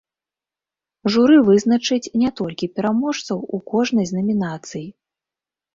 Журы вызначыць не толькі пераможцаў у кожнай з намінацый.